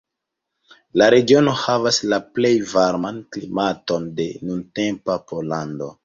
La regiono havas la plej varman klimaton de nuntempa Pollando.